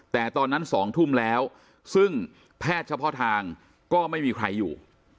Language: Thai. แต่ตอนนั้น๒ทุ่มแล้วซึ่งแพทย์เฉพาะทางก็ไม่มีใครอยู่